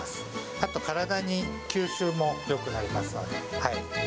あと体に、吸収もよくなりますので。